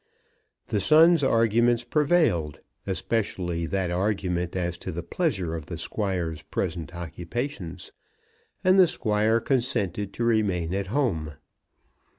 The son's arguments prevailed, especially that argument as to the pleasure of the Squire's present occupations, and the Squire consented to remain at home.